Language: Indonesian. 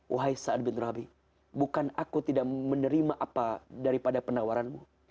wahai saad bin rabi bukan aku tidak menerima apa daripada penawaranmu